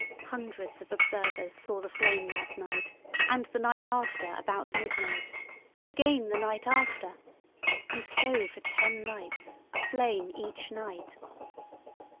Hundreds of observers saw the flame that night and the night after about midnight, and again the night after; and so for ten nights, a flame each night.